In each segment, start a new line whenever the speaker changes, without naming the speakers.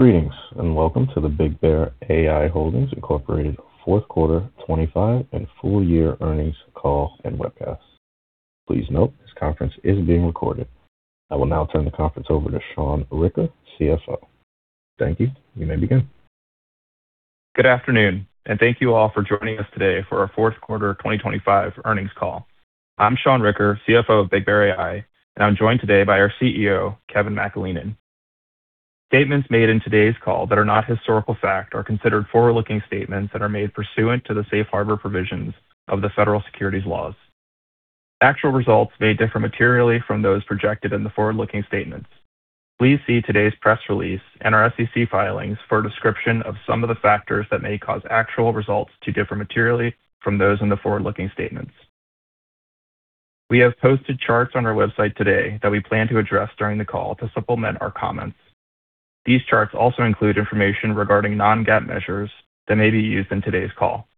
Greetings, welcome to the BigBear.ai Holdings Incorporated fourth quarter 2025 and full year earnings call and webcast. Please note, this conference is being recorded. I will now turn the conference over to Sean Ricker, CFO. Thank you. You may begin.
Good afternoon. Thank you all for joining us today for our fourth quarter 2025 earnings call. I'm Sean Ricker, CFO of BigBear.ai, and I'm joined today by our CEO, Kevin McAleenan. Statements made in today's call that are not historical fact are considered forward-looking statements that are made pursuant to the safe harbor provisions of the federal securities laws. Actual results may differ materially from those projected in the forward-looking statements. Please see today's press release and our SEC filings for a description of some of the factors that may cause actual results to differ materially from those in the forward-looking statements. We have posted charts on our website today that we plan to address during the call to supplement our comments. These charts also include information regarding non-GAAP measures that may be used in today's call.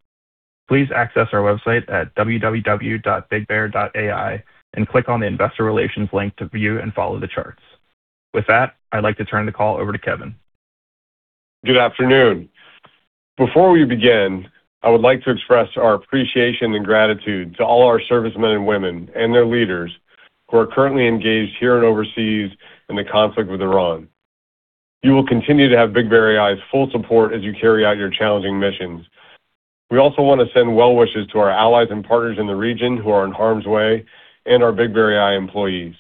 Please access our website at www.bigbear.ai and click on the Investor Relations link to view and follow the charts. With that, I'd like to turn the call over to Kevin.
Good afternoon. Before we begin, I would like to express our appreciation and gratitude to all our servicemen and women and their leaders who are currently engaged here and overseas in the conflict with Iran. You will continue to have BigBear.ai's full support as you carry out your challenging missions. We also want to send well wishes to our allies and partners in the region who are in harm's way and our BigBear.ai employees.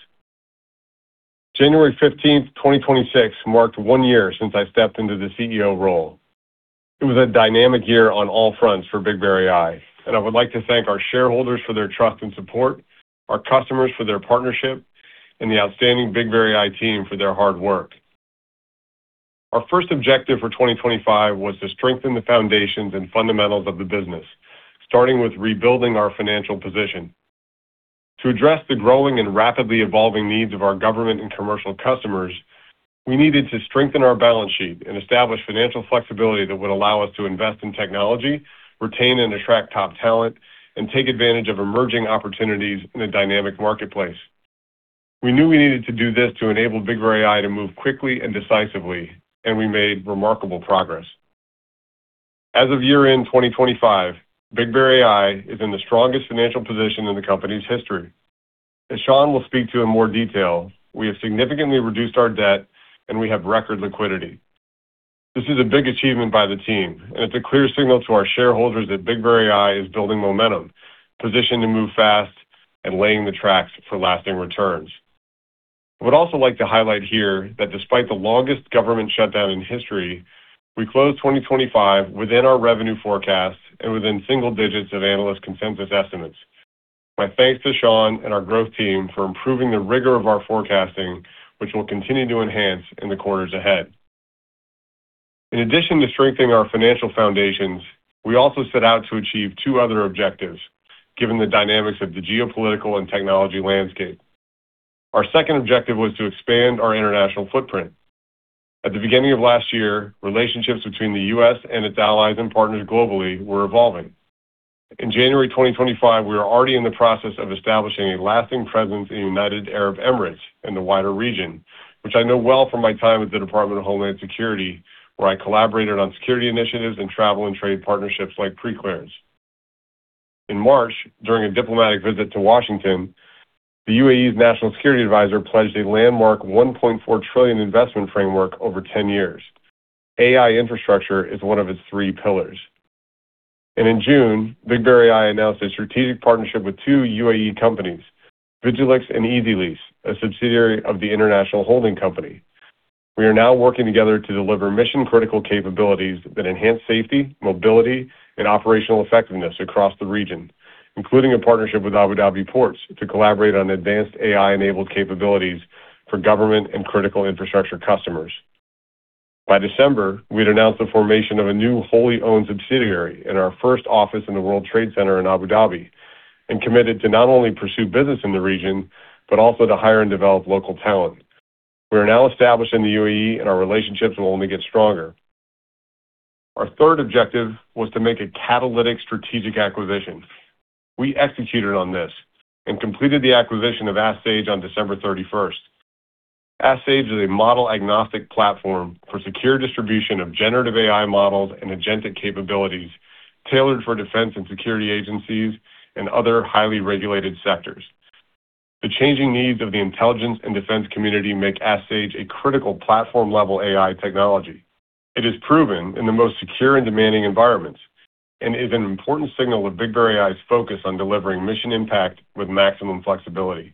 January 15th, 2026 marked one year since I stepped into the CEO role. It was a dynamic year on all fronts for BigBear.ai. I would like to thank our shareholders for their trust and support, our customers for their partnership, and the outstanding BigBear.ai team for their hard work. Our first objective for 2025 was to strengthen the foundations and fundamentals of the business, starting with rebuilding our financial position. To address the growing and rapidly evolving needs of our government and commercial customers, we needed to strengthen our balance sheet and establish financial flexibility that would allow us to invest in technology, retain and attract top talent, and take advantage of emerging opportunities in a dynamic marketplace. We knew we needed to do this to enable BigBear.ai to move quickly and decisively, and we made remarkable progress. As of year-end 2025, BigBear.ai is in the strongest financial position in the company's history. As Sean will speak to in more detail, we have significantly reduced our debt, and we have record liquidity. This is a big achievement by the team, and it's a clear signal to our shareholders that BigBear.ai is building momentum, positioned to move fast and laying the tracks for lasting returns. I would also like to highlight here that despite the longest government shutdown in history, we closed 2025 within our revenue forecast and within single digits of analyst consensus estimates. My thanks to Sean and our growth team for improving the rigor of our forecasting, which we'll continue to enhance in the quarters ahead. In addition to strengthening our financial foundations, we also set out to achieve two other objectives, given the dynamics of the geopolitical and technology landscape. Our second objective was to expand our international footprint. At the beginning of last year, relationships between the U.S. and its allies and partners globally were evolving. In January 2025, we were already in the process of establishing a lasting presence in the United Arab Emirates and the wider region, which I know well from my time at the Department of Homeland Security, where I collaborated on security initiatives and travel and trade partnerships like Preclearance. In March, during a diplomatic visit to Washington, the UAE's national security advisor pledged a landmark $1.4 trillion investment framework over 10 years. AI infrastructure is one of its three pillars. In June, BigBear.ai announced a strategic partnership with two UAE companies, Vigilix and Easy Lease, a subsidiary of the International Holding Company. We are now working together to deliver mission-critical capabilities that enhance safety, mobility, and operational effectiveness across the region, including a partnership with Abu Dhabi Ports to collaborate on advanced AI-enabled capabilities for government and critical infrastructure customers. By December, we'd announced the formation of a new wholly-owned subsidiary in our first office in the World Trade Center in Abu Dhabi and committed to not only pursue business in the region but also to hire and develop local talent. We are now established in the UAE, and our relationships will only get stronger. Our third objective was to make a catalytic strategic acquisition. We executed on this and completed the acquisition of Ask Sage on December 31st. Ask Sage is a model-agnostic platform for secure distribution of generative AI models and agentic capabilities tailored for defense and security agencies and other highly regulated sectors. The changing needs of the intelligence and defense community make Ask Sage a critical platform-level AI technology. It is proven in the most secure and demanding environments and an important signal of BigBear.ai's focus on delivering mission impact with maximum flexibility.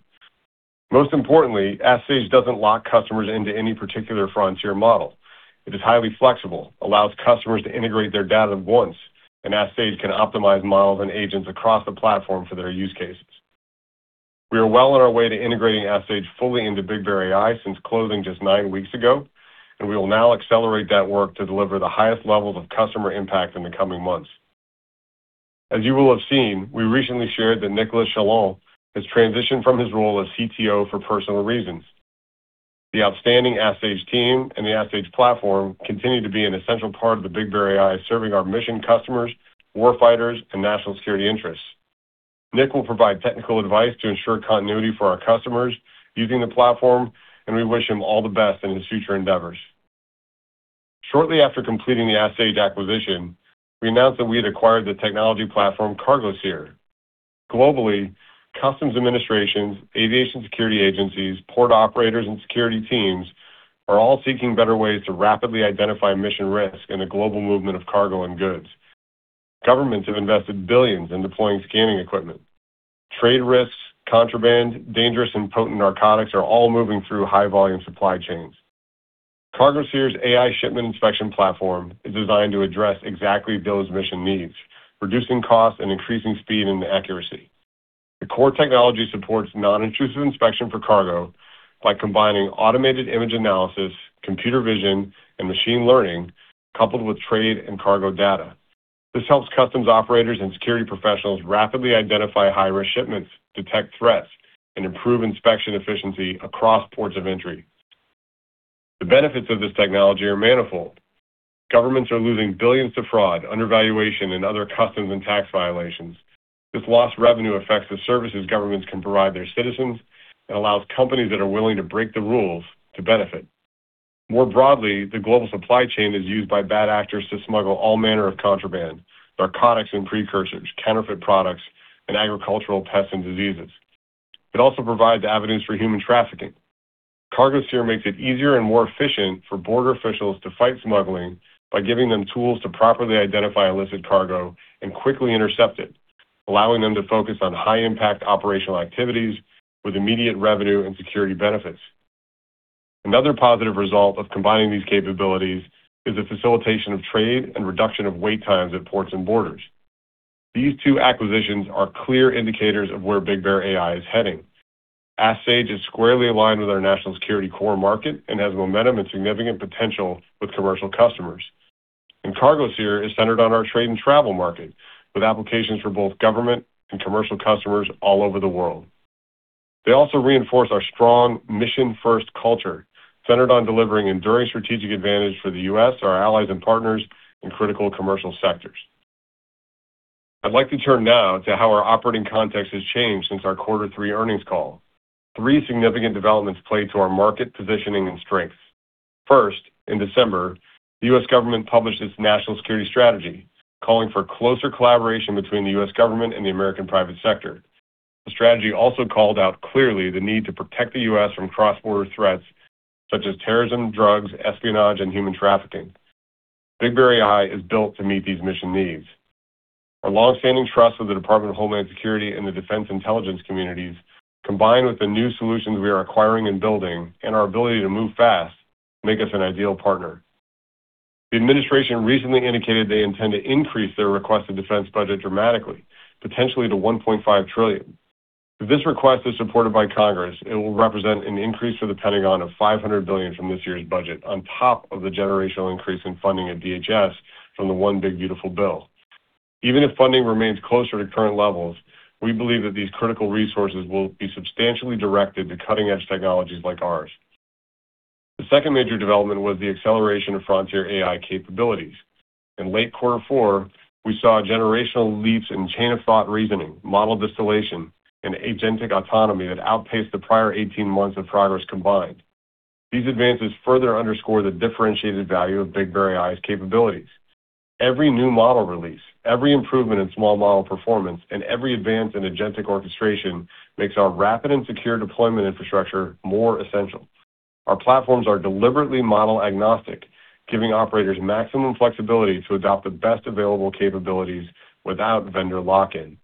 Most importantly, Ask Sage doesn't lock customers into any particular frontier model. It is highly flexible, allows customers to integrate their data once, and Ask Sage can optimize models and agents across the platform for their use cases. We are well on our way to integrating Ask Sage fully into BigBear.ai since closing just nine weeks ago, and we will now accelerate that work to deliver the highest levels of customer impact in the coming months. As you will have seen, we recently shared that Nicolas Chaillan has transitioned from his role as CTO for personal reasons. The outstanding Ask Sage team and the Ask Sage platform continue to be an essential part of BigBear.ai, serving our mission customers, warfighters, and national security interests. Nick will provide technical advice to ensure continuity for our customers using the platform, and we wish him all the best in his future endeavors. Shortly after completing the Ask Sage acquisition, we announced that we had acquired the technology platform CargoSeer. Globally, customs administrations, aviation security agencies, port operators and security teams are all seeking better ways to rapidly identify mission risk in a global movement of cargo and goods. Governments have invested billions in deploying scanning equipment. Trade risks, contraband, dangerous and potent narcotics are all moving through high-volume supply chains. CargoSeer's AI shipment inspection platform is designed to address exactly those mission needs, reducing costs and increasing speed and accuracy. The core technology supports non-intrusive inspection for cargo by combining automated image analysis, computer vision, and machine learning, coupled with trade and cargo data. This helps customs operators and security professionals rapidly identify high-risk shipments, detect threats, and improve inspection efficiency across ports of entry. The benefits of this technology are manifold. Governments are losing billions to fraud, undervaluation, and other customs and tax violations. This lost revenue affects the services governments can provide their citizens and allows companies that are willing to break the rules to benefit. More broadly, the global supply chain is used by bad actors to smuggle all manner of contraband, narcotics and precursors, counterfeit products, and agricultural pests and diseases. It also provides evidence for human trafficking. CargoSeer makes it easier and more efficient for border officials to fight smuggling by giving them tools to properly identify illicit cargo and quickly intercept it, allowing them to focus on high-impact operational activities with immediate revenue and security benefits. Another positive result of combining these capabilities is the facilitation of trade and reduction of wait times at ports and borders. These two acquisitions are clear indicators of where BigBear.ai is heading. Ask Sage is squarely aligned with our national security core market and has momentum and significant potential with commercial customers. CargoSeer is centered on our trade and travel market, with applications for both government and commercial customers all over the world. They also reinforce our strong mission-first culture, centered on delivering enduring strategic advantage for the U.S., our allies and partners in critical commercial sectors. I'd like to turn now to how our operating context has changed since our quarter three earnings call. Three significant developments play to our market positioning and strengths. First, in December, the U.S. government published its National Security Strategy, calling for closer collaboration between the U.S. government and the American private sector. The strategy also called out clearly the need to protect the U.S. from cross-border threats such as terrorism, drugs, espionage, and human trafficking. BigBear.ai is built to meet these mission needs. Our long-standing trust with the Department of Homeland Security and the Defense Intelligence communities, combined with the new solutions we are acquiring and building and our ability to move fast, make us an ideal partner. The administration recently indicated they intend to increase their requested defense budget dramatically, potentially to $1.5 trillion. If this request is supported by Congress, it will represent an increase to the Pentagon of $500 billion from this year's budget on top of the generational increase in funding at DHS from the One Big Beautiful Bill. Even if funding remains closer to current levels, we believe that these critical resources will be substantially directed to cutting-edge technologies like ours. The second major development was the acceleration of frontier AI capabilities. In late quarter four, we saw generational leaps in chain-of-thought reasoning, model distillation, and agentic autonomy that outpaced the prior 18 months of progress combined. These advances further underscore the differentiated value of BigBear.ai's capabilities. Every new model release, every improvement in small model performance, and every advance in agentic orchestration makes our rapid and secure deployment infrastructure more essential. Our platforms are deliberately model-agnostic, giving operators maximum flexibility to adopt the best available capabilities without vendor lock-in.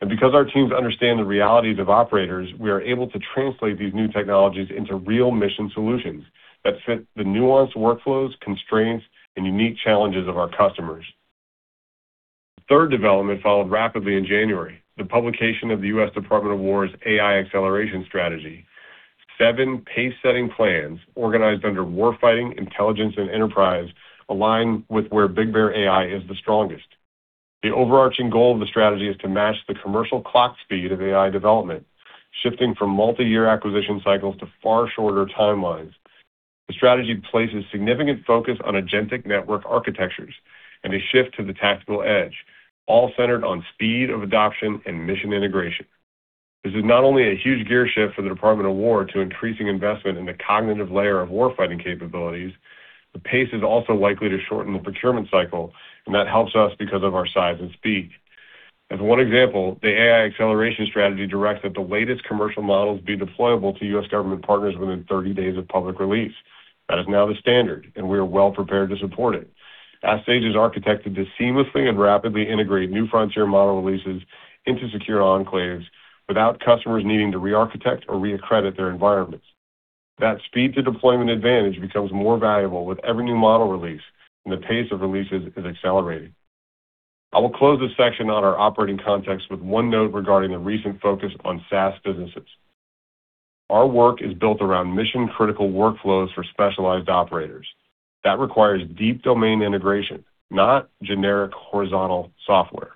Because our teams understand the realities of operators, we are able to translate these new technologies into real mission solutions that fit the nuanced workflows, constraints, and unique challenges of our customers. The third development followed rapidly in January, the publication of the U.S. Department of War's AI Acceleration Strategy. seven pace-setting plans organized under warfighting, intelligence, and enterprise align with where BigBear.ai is the strongest. The overarching goal of the strategy is to match the commercial clock speed of AI development, shifting from multi-year acquisition cycles to far shorter timelines. The strategy places significant focus on agentic network architectures and a shift to the tactical edge, all centered on speed of adoption and mission integration. This is not only a huge gear shift for the Department of War to increasing investment in the cognitive layer of warfighting capabilities, the pace is also likely to shorten the procurement cycle, and that helps us because of our size and speed. As one example, the AI Acceleration Strategy directs that the latest commercial models be deployable to U.S. government partners within 30 days of public release. That is now the standard, and we are well-prepared to support it. Ask Sage is architected to seamlessly and rapidly integrate new frontier model releases into secure enclaves without customers needing to re-architect or re-accredit their environments. That speed-to-deployment advantage becomes more valuable with every new model release, and the pace of releases is accelerating. I will close this section on our operating context with one note regarding the recent focus on SaaS businesses. Our work is built around mission-critical workflows for specialized operators. That requires deep domain integration, not generic horizontal software.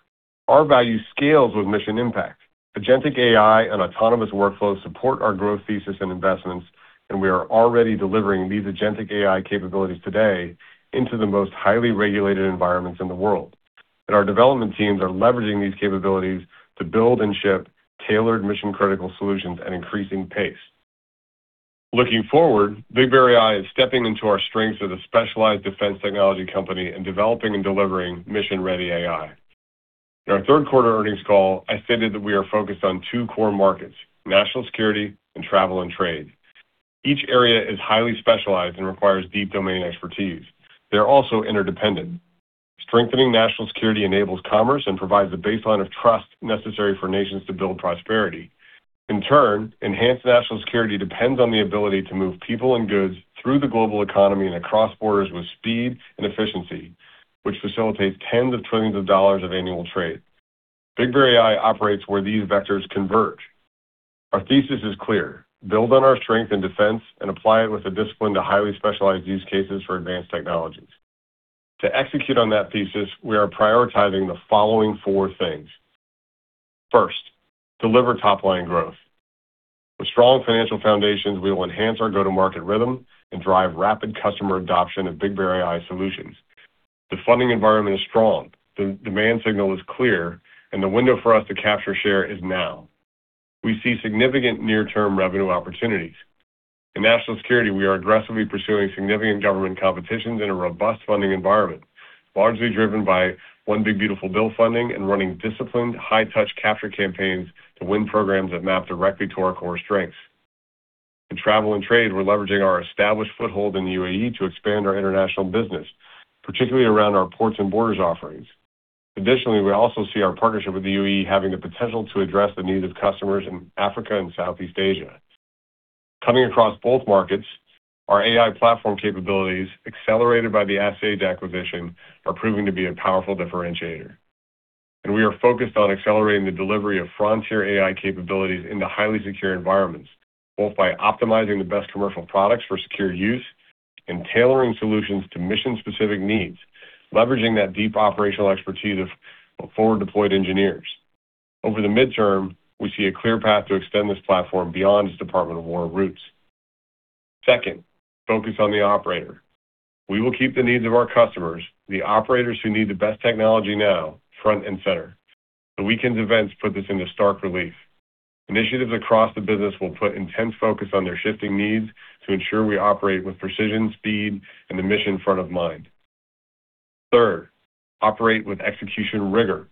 Our value scales with mission impact. Agentic AI and autonomous workflows support our growth thesis and investments, and we are already delivering these agentic AI capabilities today into the most highly regulated environments in the world. Our development teams are leveraging these capabilities to build and ship tailored mission-critical solutions at increasing pace. Looking forward, BigBear.ai is stepping into our strengths as a specialized defense technology company in developing and delivering mission-ready AI. In our third quarter earnings call, I stated that we are focused on two core markets: national security and travel and trade. Each area is highly specialized and requires deep domain expertise. They're also interdependent. Strengthening national security enables commerce and provides a baseline of trust necessary for nations to build prosperity. Enhanced national security depends on the ability to move people and goods through the global economy and across borders with speed and efficiency, which facilitates tens of trillions of dollars of annual trade. BigBear.ai operates where these vectors converge. Our thesis is clear: build on our strength in defense and apply it with a discipline to highly specialized use cases for advanced technologies. To execute on that thesis, we are prioritizing the following four things. First, deliver top-line growth. With strong financial foundations, we will enhance our go-to-market rhythm and drive rapid customer adoption of BigBear.ai solutions. The funding environment is strong, the demand signal is clear, and the window for us to capture share is now. We see significant near-term revenue opportunities. In national security, we are aggressively pursuing significant government competitions in a robust funding environment, largely driven by One Big Beautiful Bill funding and running disciplined high-touch capture campaigns to win programs that map directly to our core strengths. In travel and trade, we're leveraging our established foothold in the UAE to expand our international business, particularly around our ports and borders offerings. Additionally, we also see our partnership with the UAE having the potential to address the needs of customers in Africa and Southeast Asia. Coming across both markets, our AI platform capabilities, accelerated by the Ask Sage acquisition, are proving to be a powerful differentiator, and we are focused on accelerating the delivery of frontier AI capabilities into highly secure environments, both by optimizing the best commercial products for secure use and tailoring solutions to mission-specific needs, leveraging that deep operational expertise of forward-deployed engineers. Over the midterm, we see a clear path to extend this platform beyond its Department of War roots. Second, focus on the operator. We will keep the needs of our customers, the operators who need the best technology now, front and center. The weekend's events put this into stark relief. Initiatives across the business will put intense focus on their shifting needs to ensure we operate with precision, speed, and the mission front of mind. Third, operate with execution rigor.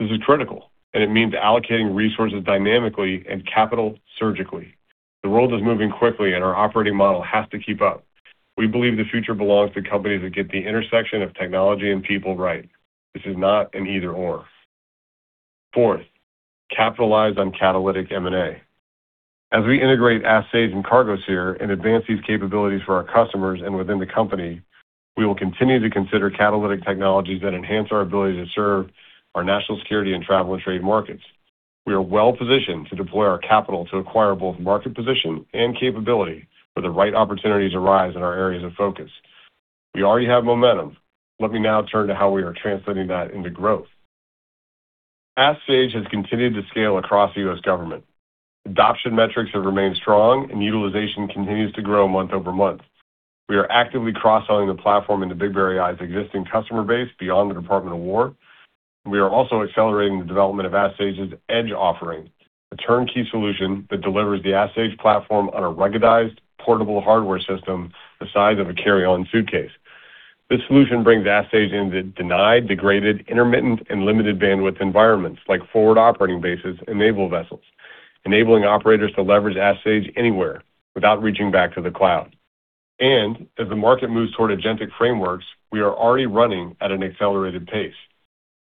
This is critical, and it means allocating resources dynamically and capital surgically. The world is moving quickly, and our operating model has to keep up. We believe the future belongs to companies that get the intersection of technology and people right. This is not an either/or. Fourth, capitalize on catalytic M&A. As we integrate Sage and CargoSphere and advance these capabilities for our customers and within the company, we will continue to consider catalytic technologies that enhance our ability to serve our national security and travel and trade markets. We are well-positioned to deploy our capital to acquire both market position and capability where the right opportunities arise in our areas of focus. We already have momentum. Let me now turn to how we are translating that into growth. Sage has continued to scale across the U.S. government. Adoption metrics have remained strong, and utilization continues to grow month-over-month. We are actively cross-selling the platform into BigBear.ai's existing customer base beyond the Department of War. We are also accelerating the development of Sage's edge offering, a turnkey solution that delivers the Sage platform on a ruggedized portable hardware system the size of a carry-on suitcase. This solution brings Sage into denied, degraded, intermittent, and limited bandwidth environments like forward operating bases and naval vessels, enabling operators to leverage Sage anywhere without reaching back to the cloud. As the market moves toward agentic frameworks, we are already running at an accelerated pace.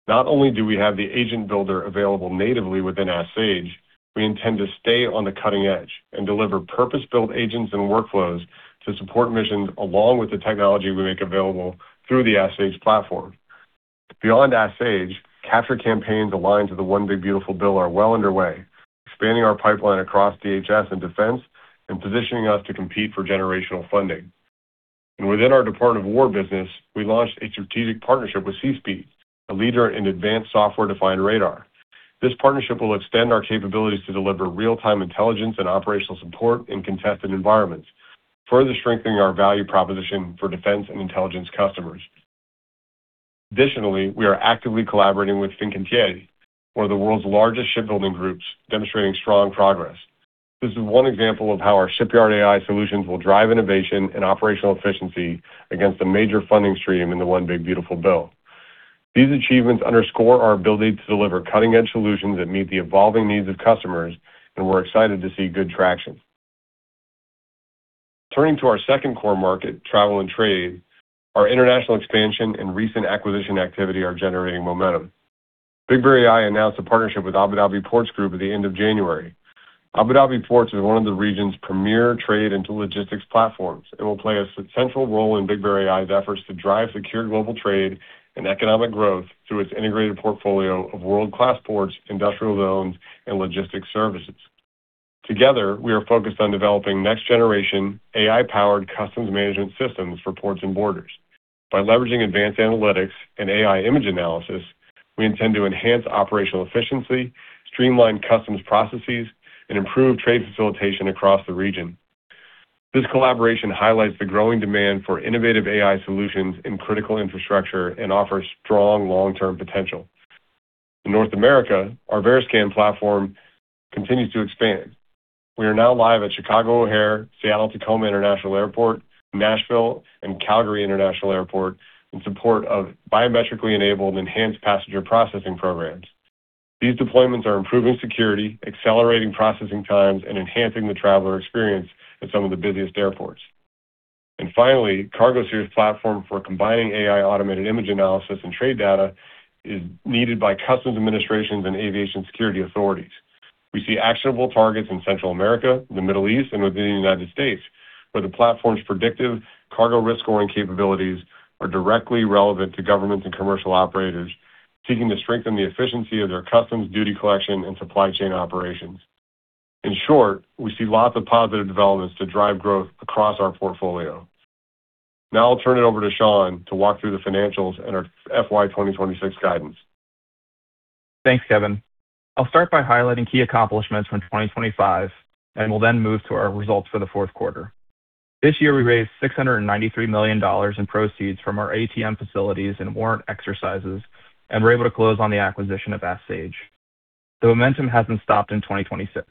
Not only do we have the agent builder available natively within Sage, we intend to stay on the cutting edge and deliver purpose-built agents and workflows to support missions along with the technology we make available through the Sage platform. Beyond Ask Sage, capture campaigns aligned to the One Big Beautiful Bill are well underway, expanding our pipeline across DHS and Defense and positioning us to compete for generational funding. Within our Department of War business, we launched a strategic partnership with C Speed, a leader in advanced software-defined radar. This partnership will extend our capabilities to deliver real-time intelligence and operational support in contested environments, further strengthening our value proposition for defense and intelligence customers. Additionally, we are actively collaborating with Fincantieri, one of the world's largest shipbuilding groups, demonstrating strong progress. This is one example of how our shipyard AI solutions will drive innovation and operational efficiency against a major funding stream in the One Big Beautiful Bill. These achievements underscore our ability to deliver cutting-edge solutions that meet the evolving needs of customers, and we're excited to see good traction. Turning to our second core market, travel and trade, our international expansion and recent acquisition activity are generating momentum. BigBear.ai announced a partnership with Abu Dhabi Ports Group at the end of January. Abu Dhabi Ports is one of the region's premier trade and logistics platforms and will play a central role in BigBear.ai's efforts to drive secure global trade and economic growth through its integrated portfolio of world-class ports, industrial zones, and logistics services. Together, we are focused on developing next-generation AI-powered customs management systems for ports and borders. By leveraging advanced analytics and AI image analysis, we intend to enhance operational efficiency, streamline customs processes, and improve trade facilitation across the region. This collaboration highlights the growing demand for innovative AI solutions in critical infrastructure and offers strong long-term potential. In North America, our veriScan platform continues to expand. We are now live at Chicago O'Hare, Seattle-Tacoma International Airport, Nashville, and Calgary International Airport in support of biometrically enabled enhanced passenger processing programs. These deployments are improving security, accelerating processing times, and enhancing the traveler experience at some of the busiest airports. Finally, CargoSeer's platform for combining AI automated image analysis and trade data is needed by customs administrations and aviation security authorities. We see actionable targets in Central America, the Middle East, and within the United States, where the platform's predictive cargo risk scoring capabilities are directly relevant to governments and commercial operators seeking to strengthen the efficiency of their customs duty collection and supply chain operations. In short, we see lots of positive developments to drive growth across our portfolio. I'll turn it over to Sean to walk through the financials and our FY 2026 guidance.
Thanks, Kevin. I'll start by highlighting key accomplishments from 2025, we'll then move to our results for the fourth quarter. This year, we raised $693 million in proceeds from our ATM facilities and warrant exercises and were able to close on the acquisition of Ask Sage. The momentum hasn't stopped in 2026.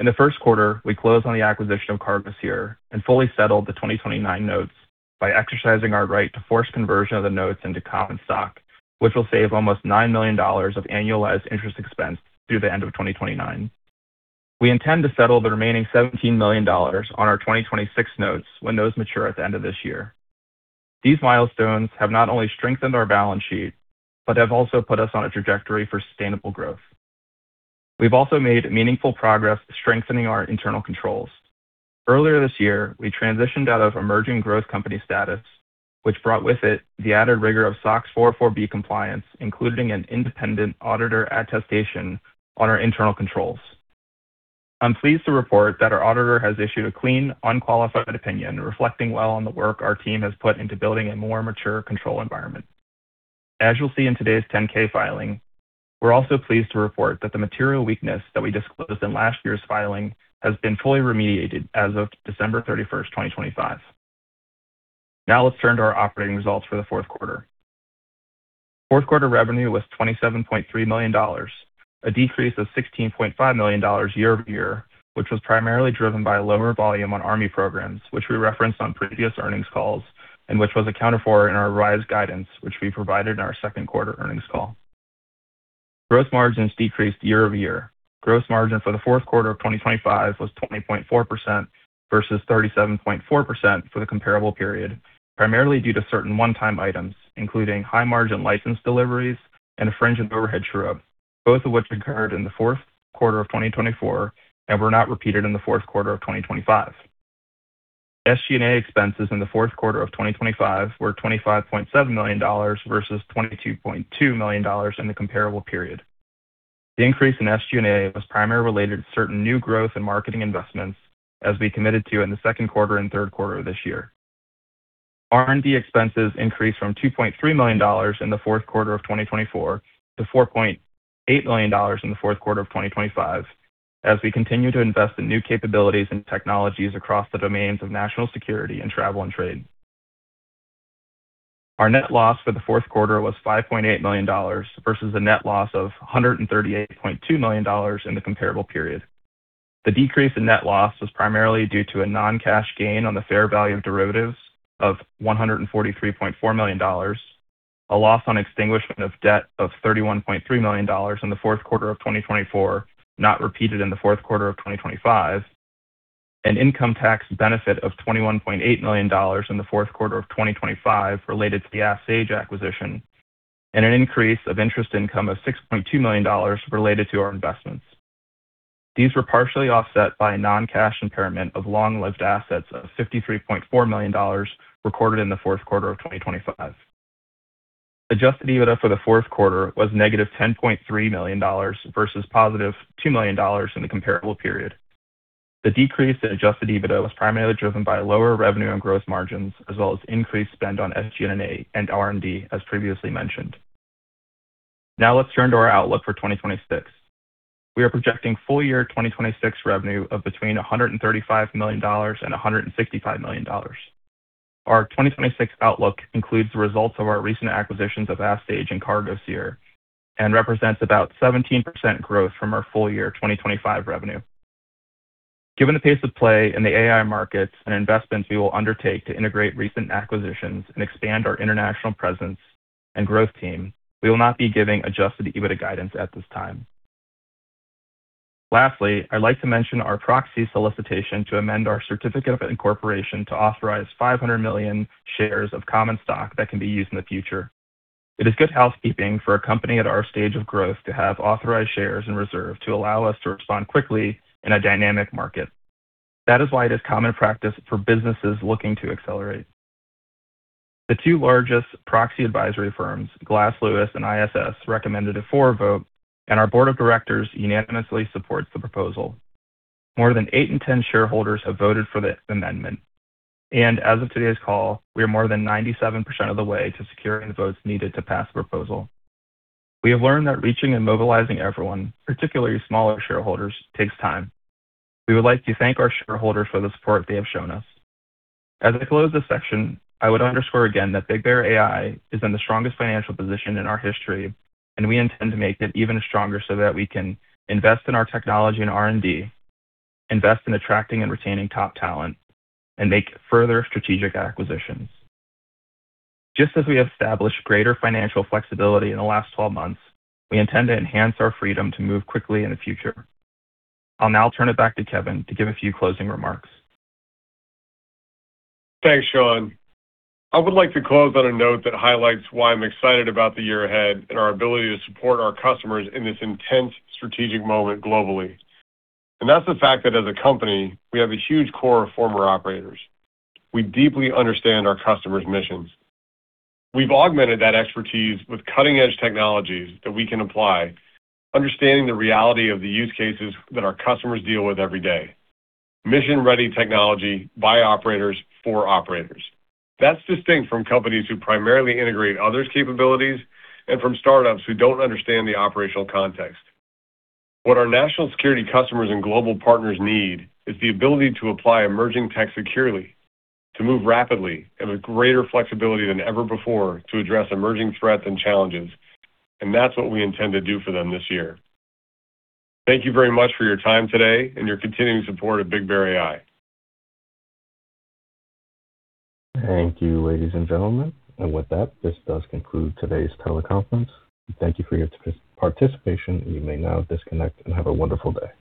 In the first quarter, we closed on the acquisition of CargoSeer and fully settled the 2029 notes by exercising our right to force conversion of the notes into common stock, which will save almost $9 million of annualized interest expense through the end of 2029. We intend to settle the remaining $17 million on our 2026 notes when those mature at the end of this year. These milestones have not only strengthened our balance sheet but have also put us on a trajectory for sustainable growth. We've also made meaningful progress strengthening our internal controls. Earlier this year, we transitioned out of emerging growth company status, which brought with it the added rigor of SOX 404(b) compliance, including an independent auditor attestation on our internal controls. I'm pleased to report that our auditor has issued a clean, unqualified opinion reflecting well on the work our team has put into building a more mature control environment. As you'll see in today's 10-K filing, we're also pleased to report that the material weakness that we disclosed in last year's filing has been fully remediated as of December 31st, 2025. Now let's turn to our operating results for the fourth quarter. Fourth quarter revenue was $27.3 million, a decrease of $16.5 million year-over-year, which was primarily driven by lower volume on Army programs, which we referenced on previous earnings calls and which was accounted for in our rise guidance, which we provided in our second quarter earnings call. Gross margins decreased year-over-year. Gross margin for the fourth quarter of 2025 was 20.4% versus 37.4% for the comparable period, primarily due to certain one-time items, including high-margin license deliveries and a fringe and overhead true-up, both of which occurred in the fourth quarter of 2024 and were not repeated in the fourth quarter of 2025. SG&A expenses in the fourth quarter of 2025 were $25.7 million versus $22.2 million in the comparable period. The increase in SG&A was primarily related to certain new growth in marketing investments as we committed to in the second quarter and third quarter of this year. R&D expenses increased from $2.3 million in the fourth quarter of 2024 to $4.8 million in the fourth quarter of 2025 as we continue to invest in new capabilities and technologies across the domains of national security and travel and trade. Our net loss for the fourth quarter was $5.8 million versus a net loss of $138.2 million in the comparable period. The decrease in net loss was primarily due to a non-cash gain on the fair value of derivatives of $143.4 million, a loss on extinguishment of debt of $31.3 million in the fourth quarter of 2024, not repeated in the fourth quarter of 2025, an income tax benefit of $21.8 million in the fourth quarter of 2025 related to the Ask Sage acquisition, and an increase of interest income of $6.2 million related to our investments. These were partially offset by a non-cash impairment of long-lived assets of $53.4 million recorded in the fourth quarter of 2025. Adjusted EBITDA for the fourth quarter was -$10.3 million versus $2 million in the comparable period. The decrease in adjusted EBITDA was primarily driven by lower revenue and growth margins as well as increased spend on SG&A and R&D, as previously mentioned. Let's turn to our outlook for 2026. We are projecting full-year 2026 revenue of between $135 million and $165 million. Our 2026 outlook includes the results of our recent acquisitions of Ask Sage and CargoSeer and represents about 17% growth from our full-year 2025 revenue. Given the pace of play in the AI markets and investments we will undertake to integrate recent acquisitions and expand our international presence and growth team, we will not be giving adjusted EBITDA guidance at this time. Lastly, I'd like to mention our proxy solicitation to amend our certificate of incorporation to authorize 500 million shares of common stock that can be used in the future. It is good housekeeping for a company at our stage of growth to have authorized shares in reserve to allow us to respond quickly in a dynamic market. That is why it is common practice for businesses looking to accelerate. The two largest proxy advisory firms, Glass Lewis and ISS, recommended a for vote. Our board of directors unanimously supports the proposal. More than eight in 10 shareholders have voted for the amendment. As of today's call, we are more than 97% of the way to securing the votes needed to pass the proposal. We have learned that reaching and mobilizing everyone, particularly smaller shareholders, takes time. We would like to thank our shareholders for the support they have shown us. As I close this section, I would underscore again that BigBear.ai is in the strongest financial position in our history, and we intend to make it even stronger so that we can invest in our technology and R&D, invest in attracting and retaining top talent, and make further strategic acquisitions. Just as we established greater financial flexibility in the last 12 months, we intend to enhance our freedom to move quickly in the future. I'll now turn it back to Kevin to give a few closing remarks.
Thanks, Sean. I would like to close on a note that highlights why I'm excited about the year ahead and our ability to support our customers in this intense strategic moment globally. That's the fact that as a company, we have a huge core of former operators. We deeply understand our customers' missions. We've augmented that expertise with cutting-edge technologies that we can apply, understanding the reality of the use cases that our customers deal with every day. Mission-ready technology by operators for operators. That's distinct from companies who primarily integrate others' capabilities and from startups who don't understand the operational context. What our national security customers and global partners need is the ability to apply emerging tech securely, to move rapidly and with greater flexibility than ever before to address emerging threats and challenges, and that's what we intend to do for them this year. Thank you very much for your time today and your continuing support of BigBear.ai.
Thank you, ladies and gentlemen. With that, this does conclude today's teleconference. Thank you for your participation. You may now disconnect and have a wonderful day.